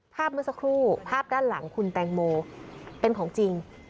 เมื่อสักครู่ภาพด้านหลังคุณแตงโมเป็นของจริง